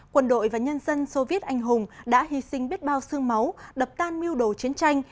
quân đội và nhân dân soviet anh hùng đã hy sinh biết bao sương máu đập tan miêu đồ chiến tranh